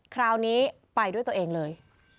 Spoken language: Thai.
คราวนี้ไปด้วยตัวเองเลย